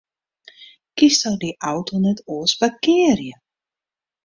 Kinst dy auto net oars parkearje?